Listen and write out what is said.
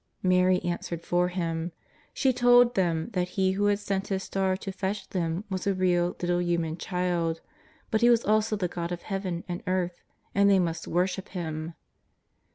Mary answered for Him. She told them that He who had sent His star to fetch them was a real, little human child, but He was also the God of Heaven and earth, and they must w^orship Him.